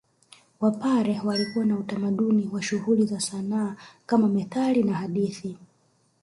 Wapare walikuwa na utamaduni wa shughuli za sanaa kama methali na hadithi